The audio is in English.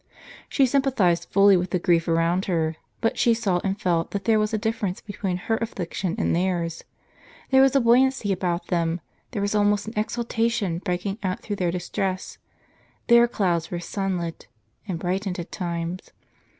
She sympathized fully with the grief around her, but she saw and felt that there was a difference between her affliction and theirs. There was a buoyancy about them ; there was almost an exultation breaking out through their distress; their clouds were sun ht and brightened at times.